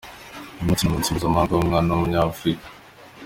Uyu munsi ni umunsi mpuzamahanga w’umwana w’umunyafurika.